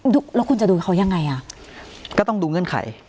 แล้วคุณจะดูเขายังไงอ่ะก็ต้องดูเงื่อนไข